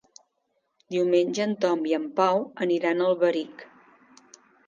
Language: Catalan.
Diumenge en Tom i en Pau aniran a Alberic.